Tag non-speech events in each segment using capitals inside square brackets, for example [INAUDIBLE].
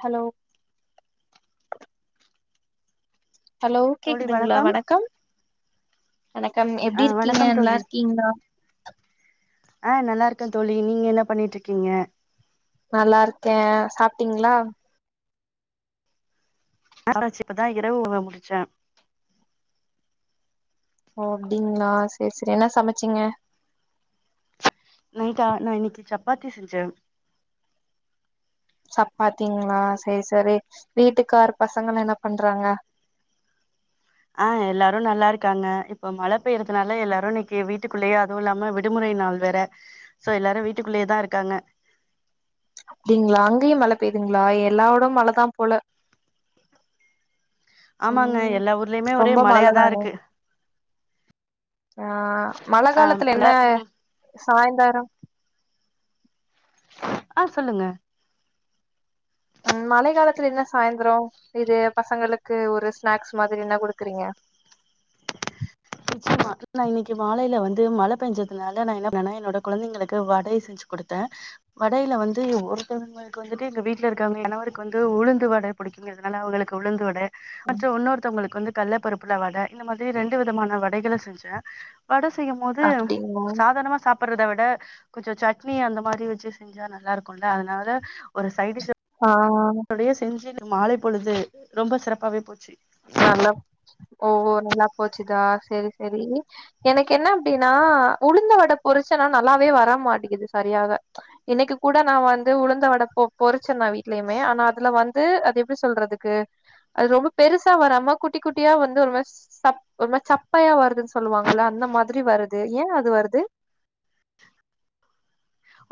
Hello hello கேக்குதுங்களா வணக்கம் வணக்கம் ஆ எப்டி இருக்கீங்க வணக்கம் நல்லா இருக்கீங்களா ஆஹ் நல்லா இருக்க தோழி நீங்க என்ன பண்ணிட்டு இருக்கீங்க நல்லாருக்க சாப்டீங்களா ஆாச்சி இப்பதா இரவு உணவு முடிச்ச ஓ அப்டிங்களா செரி செரி என்ன சமச்சிங்க நைட்டா நா இன்னிக்கு சப்பாத்தி செஞ்ச சப்பாத்திங்களா செரி செரி வீட்டுக்கார் பசங்களா என்ன பண்றாங்க ஆ எல்லாரு நல்லா இருக்காங்க இப்ப மழ பெய்யறதுனால எல்லாரு நிக்கி வீட்டுக்குள்ளேயே அதுவு இல்லாம விடுமுறை நாள் வேற சோ எல்லாரு வீட்டுக்குள்ளேயே தா இருக்காங்க அப்டிங்களா அங்கயு மல பெயுதுங்களா எல்லாட மலதா போல ஆமாங்க ம் எல்லா ஊர்லயுமே ஒரே ரொம்ப மழ மலயாதா தானே இருக்கு ஆ மல ஆ காலத்துல என்ன சாய்ந்தாரோ ஆ சொல்லுங்க ம் மழை காலத்துல என்ன சாய்ந்திரோ இது பசங்களுக்கு ஒரு ஸ்நாக்ஸ் மாரி என்ன குடுக்குறீங்க நிச்சயமா நா இன்னிக்கு மாலையில வந்து மல பெயஞ்சதுனால நா என்ன பனா என்னோட கொலந்தைங்களுக்கு வடை செஞ்சு கொடுத்த வடையில வந்து ஒருத்தங்களுக்கு வந்துட்டு எங்க வீட்டுல இருக்கவங்க கணவருக்கு வந்து உளுந்து வடை புடிக்குங்கிறதுனால அவங்களுக்கு உளுந்து வடை அ ம், ஒன்னொருத்தவங்களுக்கு வந்து கள்ள பருப்புல வட இந்த மாரி ரெண்டு விதமான வடைகள செஞ்ச வடசு செய்யு போது அப்டிங்களா சாதாரமா சாப் டுறத விட கொஞ்சோ சட்னி அந்த மாரி வச்சு செஞ்சா நல்லா இருக்கோல அதனால ஒரு சைடிஷ் ஆ ஓடயே செஞ்சு மாலை பொழுது ரொம்ப சிறப்பாவே போச்சு நல்ல ஓ நல்லா போச்சுதா செரி செரி எனக்கு என்ன அப்டின்னா உளுந்த வட பொரிச்ச நா நல்லாவே வர மாட்டேங்குது சரியாக இன்னைக்கு கூட நா வந்து உளுந்த வடை பொ பொறிச்சு பொரிச்ச நா வீ்ட்லயுமே ஆனா அதுல வந்து அது எப்டி சொல்றதுக்கு அது ரொம்ப பெருசு சா வராம குட்டி குட்டியா வந்து ஒரு மாரி சப் ஒரு சப்பயா வருதுன்னு சொல்லுவாங்கல்ல அந்த மாதிரி வருது ஏன் அது வருது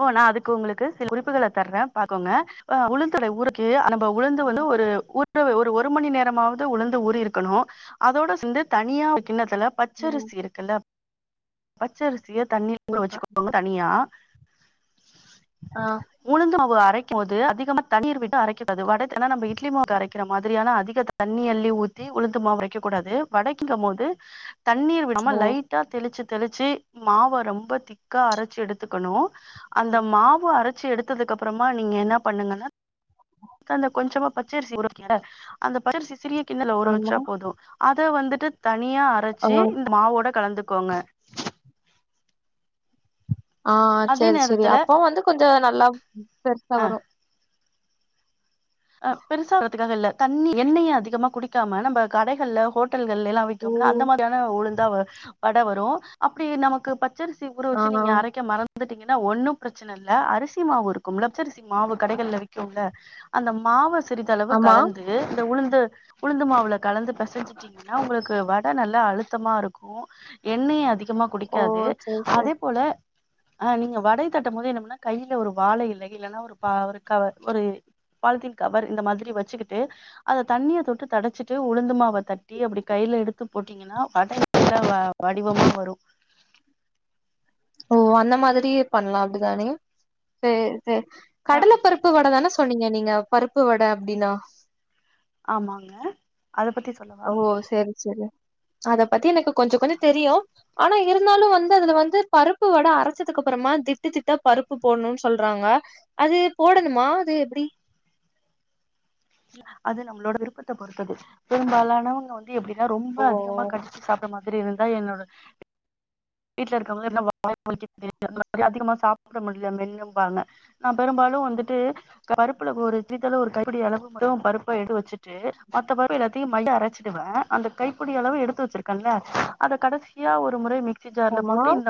ஓனா அதுக்கு உங்களுக்கு சில குறிப்புகல தர பாகோங்க உளுதுறை உறுக்கி அந்த உளுந்து வந்து ஒரு ஊர் ஒரு மணி நேரமாவது உளுந்து ஊறி இருக்கணோ அதோட சந்து தனியா கின்னதுல ம். பச்சரிசி இருக்குல பச்சரிசிய தண்ணீ ங்க வெச்சுகோங்க தனியா ஆ. உளுந்து மாவ் அவ அரைக்க போது அதிக தண்ணீர் விட்டு அரைக்க ந இட்லி மா அரைக்கிற மாதிரியான அதிக தண்ணி அள்ளி ஊத்தி உளுந்து மாவு அரைக்க கூடாது வடைக்குக போது தண்ணீ விடாம ஓ! லைட்டா தெளிச்சு தெளிச்சு மாவ ரொம்ப திக்கா அரச்சி எடுத்துக்கனோ அந்த மாவு அரச்சு எடுத்ததுக்கு அப்புறமா நீங்க என்ன பண்ணுங்கன்னா கொஞ்சமா பச்சரிசி ஊற வைக்கல அந்த பச்சரிசி சிறிய கிண்ணத்துல ஊர ஆமா. வச்ச போதும் அ அது வந்துட்டு த ண்ணியா ஆ. அரச்சு இந்த மாவோட கலந்த கோங்க ஆ அதே சேரி சேரி நேரத்துல அப்ப வந்து கொஞ்ச லவ் பெருச அ வரும் அ பெருசா வருதுக்காக இல்ல தண்ணி எண்ணெய அதிகமா குடிக்காம நம்ம கடைகளால ஹோட் டல்கள் எல்லாம் ஓ! விக்கோம்ல அந்த மாதிரியான உளுந்து வட வரும் அப்டி நமக்கு பத் பச்சரிசி ஊற ஆ. வச்சு நீங்க அரைக்க மறந் துட்டீங்கன்னா ஒன்னு பிரச்சன இல்ல அரிசி மாவு இருக்குள பச்சரிசி மாவு கடைகளில விக்கும்ல அந்த மாவஸ் சிறிதளவு ஆமா. கலந்து இந்த உளுந்து உளுந்து மாவுல கலந்து பெசஞ்சீட்டீங்கன்னா உங்களுக்கு வட நல்லா அழுத்தமா இருக்கும் எண்ணெய அதி கமா ஓ! குடிக்காது சரி, சரி. அதே போல ஆ நீங்க வடைய தட்டம் போது என்ன பண்ணா கையில ஒரு வாழை இலை இல்லைனா ஒரு ப ஒரு கவ ஒரு பாலித்தீன் கவர் இந்த மாதிரி வச்சுக்கிட்டு அத தண்ணிய தொட்டு தொடைச்சிட்டு உளுந்தமாவ தட்டி அப்டி கைல எடுத்து போட்டிங்கன்னா வட நல்ல வ வடிவமா வரு ஓ அந்த மாதிரியே பண்லா அப்டிதானே சேர் சேர் அ கடல பருப்பு வட தான சொன்னிங்க நீங்க பருப்பு வட அப்டின்னா ஆமாங்க அத பத்தி சொல்லவா ஓ செரி செரி அத பத்தி எனக்கு கொஞ்ச கொஞ்ச தெரியு ஆனா இரு ந்தாலு வந்து அதுல வந்து பருப்பு வட அரைச்சதுக்கு அப்பறமா திட்டு திட்டா பருப்பு போடணுன் சொல்றாங்க அது போடணுமா அது எப்படி அது நம்மளோட விருப்பத்த பொறுத்தது பெரும்பாலானவங்க வந் து எப்டின்னா ரொம்ப ஓ அதிகமா கடிச்சு சாப்பிடற மாதிரி இரு ந்தா என்னோட வீட்ல இருக்குறவுங்க [UNINTELLIGIBLE] அதிகமா சாப்பிட முடியல மென்னும்பாங்க நா பெரும்பாலு வந்துட்டு பருப்புல ஒரு சிறிதளவு ஒரு கைப்பிடி அளவு மட்டு பருப்பை எடுத்து வச்சுட்டு மத்த பருப்பு எல்லாத்தையு மைய அரைச்சிடுவே அந்த கைப்பிடி அளவு எடுத்து வச்சிருக்கேன்ல அத கடைசியா ஒரு முறை மிக மிக்ஸி ஜார்ல ஆமா போட்டு இந்த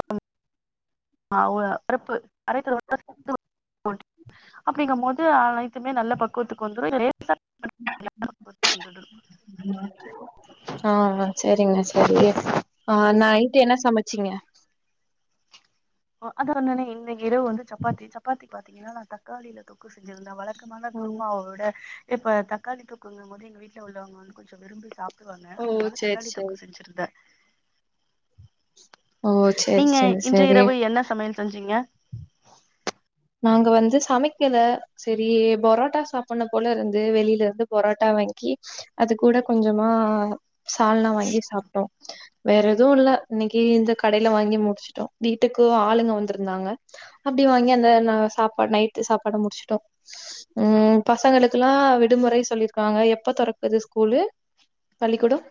ஆ ஒ பருப்பு அரைத்து [UNINTELLIGIBLE] அ அப்டிங்க போது அனைத்துமே நல்ல பக்குவத்துக்கு வந்துரு [UNINTELLIGIBLE] ஆ சரிங்க சரி ஆ நைட்டு என்ன சமைச் சிங்க அது வந்தோனே இன்னக்கி இரவு வந்து சப்பாத்தி சப்பாத்தி பாத்தீங்கன்னா நா தக்காளியில தொக்கு செஞ்சிருந்தா வள க்கமான குருமாவ விட இப்ப தக்காளி தொக்குங்கம்போது எங்க வீட்டுல உள்ளவங்க வந்து கொஞ்சம் விரும்பி சாப் வாங்க ஓ அதனால சேரி தக்காளி சேரி தொக்கு செஞ்சிருந்தே ஓ சேரி நீங்க சேரி இன்று சேரி இரவு என்ன சமையல் செஞ்சீங்க நாங்க வந்து சமைக்கல சரி போரோட்டா சாப்படுனு போல இருந்து வெளியில இருந்து பொரோட்டா வாங்கி அது கூட கொஞ்சமா சால்னா வாங்கி சாப்பிட்டோம் வேற எதுவும் இல்ல இன்னைக்கு இந்த கடையில வாங்கி முடிச்சுட்டோம் வீட்டுக்கு ஆளுங்க வந்திருந்தாங்க அப்படி வாங்கி அந்த சாப்பாடு நைட் சாப்பாடு முடிச்சட்டோம் உம் பசங்களுக்குல்லாம் விடுமுறை சொல்லிருக்காங்க எப்ப தொறக்குது ஸ்கூல பள்ளிக்கூடம்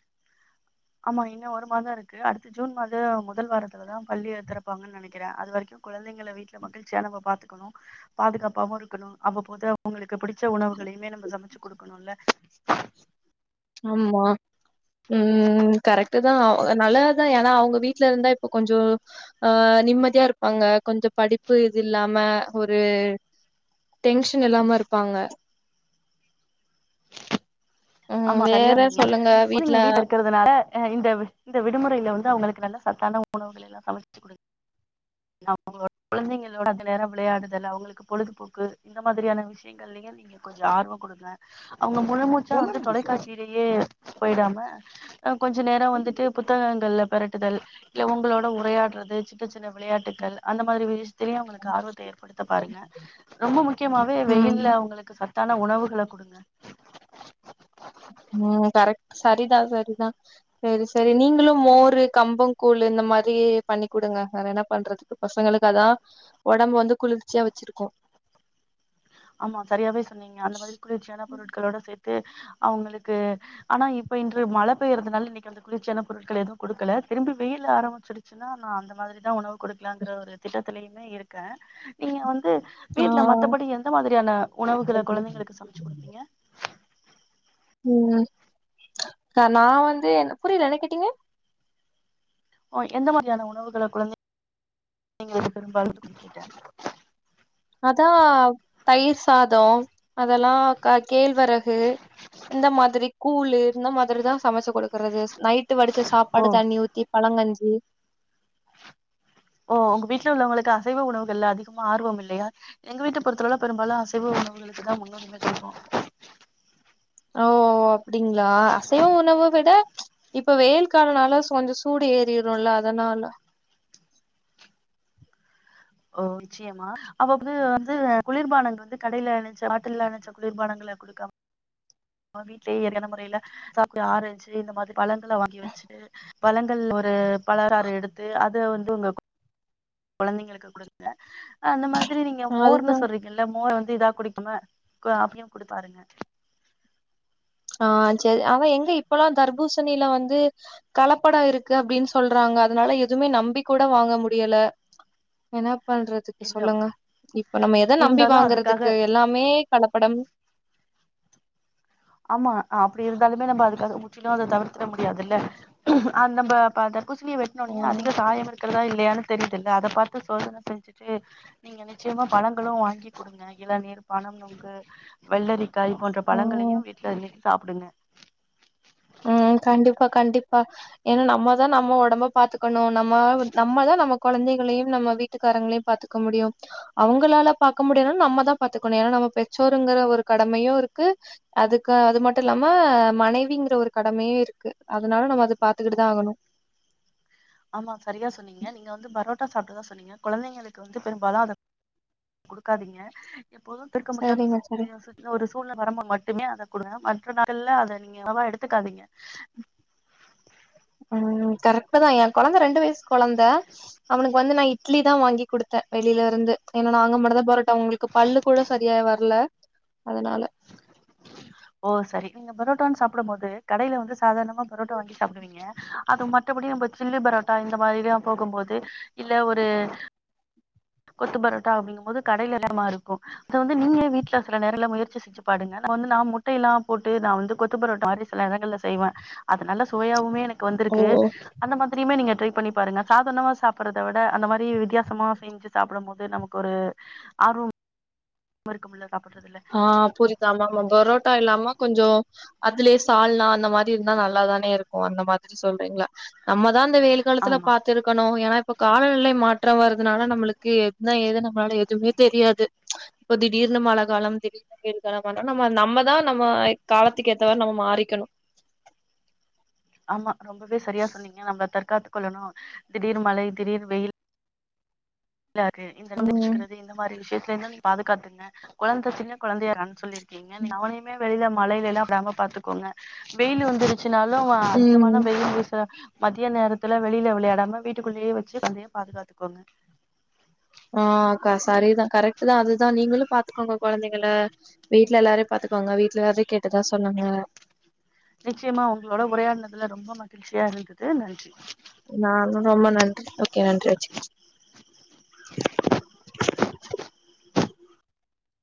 ஆமா இன்னும் ஒரு மாதம் இருக்கு அடுத்த ஜூன் மாதம் முதல் வாரத்துலதா பள்ளி திறப்பாங்கன்னு நினைக்கிறே அது வரைக்கும் குழந்தைங்கள வீட்டுல மகிழ்ச்சியா நம பாாத்துக்கணும் பாதுகாப்பாவும் இருக்கணும் அவ்வப் போது அவங்களுக்கு பிடிச்ச உணவுகளையுமே நம்ம சமைச்சு குடுக்கணுல ஆமா உம் கரெக்ட்டு தா நல்லாதுதா ஏன்னா அவங்க வீட்டு்ல இருந்தா இப்ப கொஞ்சோ ஆ நிம்மதியா இருப்பாங்க கொஞ்சோ படிப்பு இது இல்லாம ஒரு டென்ஷன் இல்லாம இருப்பாங்க ம் ஆமா சரியா வேற நீங்க சொல்லுங்க நீங்க வீட்ல இருக்கிறதுனால இந்த இந்த விடுமுறையில வந்து அவங்களுக் நல்ல சத்தான உணவுகள எல்லாம் சமைச்சு கொடுத் அவங்களோட குழந்தைங்களோட அந்த நேரம் விளையாடுதல் அவங்களுக்கு பொழுதுபோக்கு இந்த மாதிரியான விஷயங்கள் ல நீங்க கொஞ்சோ ஆர்வங் குடுங்க அவங்க முழு மூச்சா வந்து கா சிரியே போயிடாம கொஞ்ச நேரம் வந்துட்டு புத்தகங்கள்ல பெரட்டுதல் இல்ல உங்களோட உரையாடுறது சின்ன சின்ன விளையாட்டுகள் அந்த மாதிரி விஷ யதுலையும் தெரியும் அவங்களுக்கு ஆர்வத்த ஏற்படுத்த பாருங்க ரொம்ப முக்கியமாவே ம் வெயில்ல உங்களுக்கு சத் சத்தான உணவுகள குடுங்க தா சரிதா சரி சரி நீங்களும் மோரு கம்பம் கூழ் இந்த மாரி பண்ணி் குடுங்க வேற என்ன பண்றதுக்கு பசங்களுக்கு அதா ஒடம்ப வந்து குளிர்ச்சியா வெச்சிருக்கு ஆமா சரியாவே சொன்னீங்க அந்த மாதிரி குளிர்ச்சியான பொருட்களோட சேர்த் கு அவங்களுக்கு ஆனா இப்ப இன்று மழை பெய்றதுனால இன்னைக்கு அந்த குளிர்ச்சியான பொருட்கள் எதுவும் குடுக்கல திரும்பி வெயில் ஆரம்பிச்சுடுச்சுன்னா நா அந்த மாதிரிதான் உணவு கொடுக்கலாங்கிற ஒரு திட்டத்திலயுமே இருக்கே நீங்க வந்து ம் ஆ வீட்ல மத்தபடி எந் எந்த மாதிரியான உணவுகளை குழந்தைங்களுக்கு சமைச்சு குடுப்பீங்க உம் நா ஆரஞ்சு புரியல என்ன கேட்டீங்க ஓ எந்த மாதிரியான உணவுகளை குழந்தைங்களுக்கு பெரும்பாலும் குடுப்பிங்க அதான் தயிர் சாதம் அதெல்லாம் காக் கேழ்வரகு இந்த மாதிரி கூழ் இந்த மாதிரிதா சமைச்சு குடுக்கறது நைட்டு வடிச்ச ஓ சாப்பாடு தண்ணி ஊத்தி பழங்கஞ்சி ஓ உங்க வீட்டுல உள்ளவங்களுக்கு அசைவ உணவுகள்ல அதிகமா ஆர்வம் இல்லையா எங்க வீட்ட பொறுத்தளவுல பெரும்பாலும் அசைவ உணவுகளுக்கு தான் முன்னுரிமை தருவோம் ஓ அப்படிங்களா அசைவ உணவை விட இப்ப வெயில் காலனால கொஞ்சம் சூடு ஏறிரூமில்ல அதனால ஓ நிச்சயமா அவப் வந்து வந்து குளிர்பானங்கள் வந்து கடையில ராத்திரி நேரத்துல பாட்டில வச்ச குளிர்பானங்களை குடுக்காம வீட்லயே இயற்கையான முறையில சாப்பிட ஆரஞ்சு இந்த மாதிரி பழங்களை வாங்கி வச்சு பழங்கள் ஒரு வழராறு எடுத்து அத் வந்து வந்து உங்க [UNINTELLIGIBLE] குழந்தைங்களுக்கு கொடுக்க அந்த மாதிரி சரி நீங்க மோர்ன்னு அதுதா சொல்றீங்கல்ல மோர் டீ தா குடிக்கும காஃபியு குடிப்பாருங்க ஆ சரி அவ எங்க இப்பல்லா தர்பூசணில வந்து கலப்படோ இருக்கு அப்டின் சொல்றாங்க அதனால எதுமே நம்பி கூட வாங்க முடியல என்னா பண்றதுக்கு இல்ல சொல்லுங்க இப்ப நம்ம எத நம்பி இருந்தாலு அதுக்காக வாங்குறதுக்கு எல்லாமே கலப்படம் ஆமா அ அப்புடி இருந்தாலுமே நம்ப அதுக்கு அத முற்றிலு அத தவிர்த்திட முடியாதுல்ல அந் நம்ப ப தர் புசினிய ஆ வெட்னோன்னியே அதிக சாயம் இருக் க்குறதா இல்லையான்னு தெரியுதுல்ல அத பாத்து சோதன செஞ்சுட்டு நீங்க நிச்சயமா பழங்களும் வாங்கி குடுங்க இளநீர் பனம் நொங்கு வெள்ளரிக்காய் இது போன்ற பழங்களையு ம் வி சாப்டுங்க ம் கண்டிப்பா கண்டிப்பா ஏன்னா நம்ம தா நம்ம ஒடம்ப பாத்துக்கணு நம்ம வந் நம்ம தா நமக் கொழந்தைகளையும் நம்ம வீட்டுக்காரங்களையும் பாத்துக்க முடியும் அவங்களால பாக்க முடிலன் நம்ம தா பாத்துக்கணு ஏன்னா நம்ம பெற்றோருங்குற ஒரு கடமையும் இருக்கு அதுக்கு அது மட்டும் இல்லாம மனைவிங்கிற ஒரு கடமையே இருக்கு அதனால நம்ம அது பாத்துக்குட்டு தா ஆகணும் ஆமா சரியா சொன்னீங்க நீங்க வந்து பரோட் டா சாப்ட்ட தா சொன்னீங்க குழந்தைங்களுக்கு வந்து பெரும்பாலும் அத குடுக்காதீங்க எப்போதும் திருக்க முடியாத சரிங்க சரி சுத்தி அ சுத்திலு ஒரு சூழ்ந வரம்ப மட்டுமே அத குடுங்க மற்ற [UNINTELLIGIBLE] அத நீங்க அளவா எடுத்துக்காதீங்க ம் கரெக்ட்டு தா என் கொழந்த ரெண்டு வயசு குழந்த அவனுக்கு வந்து நான் இட்லி தான் வாங்கி கொடுத்தே வெளியில இருந்து ஏன்னா நாங்க மட்டு தான் பரோட்டா உங்களுக்கு பல்லு கூட சரியா வரல அதனால ஓ சரி நீங்க பரோட்டான்னு சாப்பிடும் போது கடையில வந்து சாதாரணமா பரோட்டா வாங்கி சாப்பிடுவீங்க அது மற்றபடி இப்ப சில்லி பரோட்டா இந்த மாதிரி போகும்போது இல்ல ஒரு கொத்து பரோட்டா அப்படிங்கும் போது கடையில் எல்லமா இருக்கும் அத வந்து நீங்களே வீட்டுல சில நேரல முயற்சி செச்சு பாடுங்க வந்து நான் முட்டைய எல்லாம் போட்டு நான் வந்து கொத்து பரோட்டா மாதிரி சில நேரங்கள்ல செய்வேன் அது நல்ல சுவயாவுமே எனக்கு ஓ வந்திருக்கு அந்த மாதிரி நீங்க ட்ரை பண்ணி பாருங்க சாதனமா சாப்பிறதை விட அந்த மாதிரி வித்தியாசமா செஞ்சு சாப்பிடும் போது நமக்கு ஒரு ஆர்வம் இருக்கு இல்ல ஆஹ் புரிதாமா பரோட்டா இல்லாம கொஞ்சம் அதுலயே சால்னா அந்த மாதிரி இருந்தா நல்லாதானே இருக்கும் அந்த மாதிரி சொல்றீங்களா நம்ம தான் அந்த வெயில் காலத்துல ஆமா. பாத்து இருக்கணும் ஏன்னா இப்ப காலநிலை மாற்றம் வருதுனால நம்மளுக்கு எதுனா ஏது நம்மளால எதுவுமே தெரியாது இப்போ திடீர்னு மழை காலம் திடிர்னு வெயில் காலம் நம்ம நம்மதான் நம்ம காலத்துக்கு ஏத்தமதிரி மாரிக்கனும் ஆமா ரொம்பவே சரியா சொன்னீங்க நம்மள தற்காத்து கொல்லனு திடீர் மழை திடீர் வெயில் இல்ல அது இந்த ம் முடிச்சுக்கிறது இந்த மாதிரி விஷய நீ பாதுகாத்துங்க குழந்தை சின்ன குழந்தையானு சொல்லிருக்கு எங்க நீ அவ வெளியில மழையில எல்லாம் விடாம பாத்துக்கோங்க வெயில் வந்து ச்சாலும் அதிகமான ம் வெயில் வீச மதிய நேரத்துல வெளியில விளையாடாம வீட்டுக்குள்ளேயே வச்சு குழந்தைய பாதுகாத்துக்கோங்க ஆஹ்க்கா சரிதான் கரெக்ட் தான் அதுதான் நீங்களும் பாத்துக்கோங்க குழந்தைங்கள வீட்டுல எல்லாரையும் பாத்துக்கோங்க வீட்டு்ல எல்லாரையும் கேட்டதா சொல்லுங்க நிச்சயமா உங்களோட உரையாடுனதுல ரொம்ப மகிழ்ச்சியா இருந்தது நன்றி நானும் ரொம்ப நன்றி ஓகே நன்றி வச்சறேன்